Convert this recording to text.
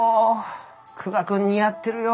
久我君似合ってるよ。